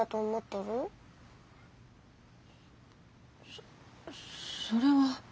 そそれは。